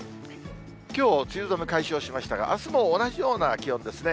きょう梅雨寒解消しましたが、あすも同じような気温ですね。